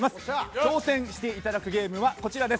挑戦していただくゲームはこちらです。